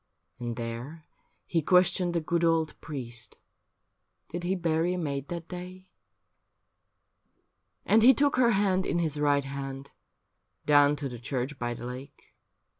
And there he questioned the good old priest, Did he bury a maid that day. And he took her hand in his right hand, Down to the church by the lake.